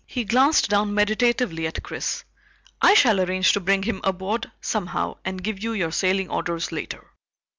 He glanced down meditatively at Chris. "I shall arrange to bring him aboard somehow, and give you your sailing orders later."